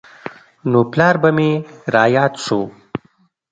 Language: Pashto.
نو پلار به مې راياد سو.